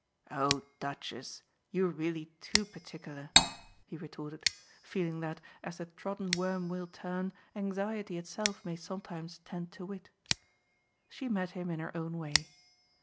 "Oh Duchess, you're really too particular!" he retorted, feeling that, as the trodden worm will turn, anxiety itself may sometimes tend to wit. She met him in her own way.